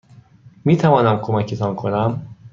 میتوانم کمکتان کنم؟